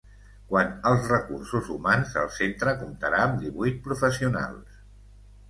Quant als recursos humans, el centre comptarà amb divuit professionals.